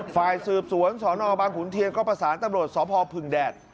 ฝ่ายสืบสวนสอนออบ้างขุนเทียนก็ประสานตำรวจสอบภอกภึงแดด